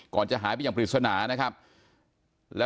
ก่อนจะหายไปยังผิดสนา